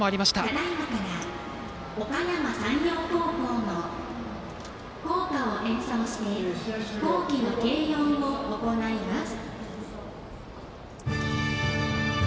ただいまからおかやま山陽高校の栄誉をたたえ校歌を演奏して校旗の掲揚を行います。